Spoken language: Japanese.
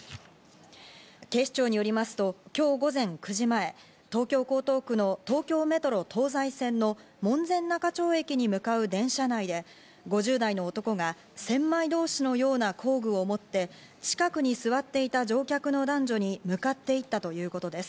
警視庁によりますと、今日９時前、東京・江東区の東京メトロ東西線の門前仲町駅に向かう電車内で、５０代の男が千枚通しのような工具を持って近くに座っていた乗客の男女に向かって行ったということです。